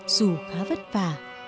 dù khá vất vả